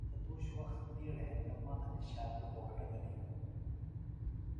ما تھےۡ تُوش وخت دِیڑ ہینتہ مہ انیۡ شاکہ گھوݜٹہ گلیۡ یُھوم